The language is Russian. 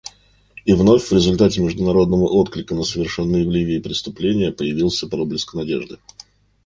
И вновь в результате международного отклика на совершенные в Ливии преступления появился проблеск надежды.